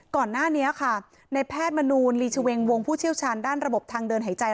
ก่อนหน้านี้ค่ะในแพทย์มนูลลีชเวงวงผู้เชี่ยวชาญด้านระบบทางเดินหายใจ